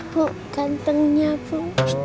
bu gantengnya bu